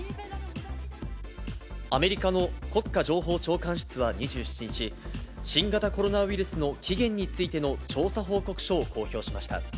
アメリカの国家情報長官室は２７日、新型コロナウイルスの起源についての調査報告書を公表しました。